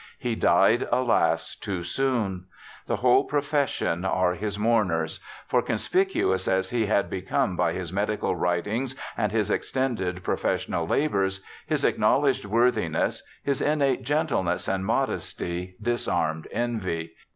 He died, alas! too soon. The wnole pro fession are his mourners ; for conspicuous as he had become by his medical writings and his extended pro fessional labours, his acknowledged worthiness, his innate gentleness and modesty disarmed envy.